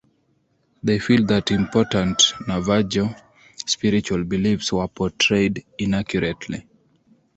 They feel that important Navajo spiritual beliefs were portrayed inaccurately.